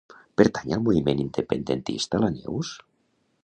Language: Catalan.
Pertany al moviment independentista la Neus?